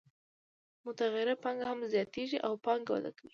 متغیره پانګه هم زیاتېږي او پانګه وده کوي